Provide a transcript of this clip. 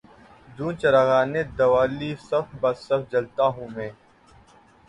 جوں چراغانِ دوالی صف بہ صف جلتا ہوں میں